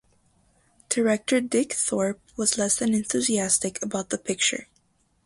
Director Dick Thorpe was less than enthusiastic about the picture.